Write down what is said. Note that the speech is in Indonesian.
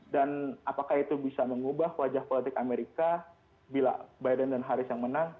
dan apakah itu bisa mengubah wajah politik amerika bila biden dan harris yang menang